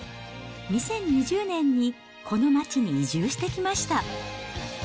２０２０年にこの町に移住してきました。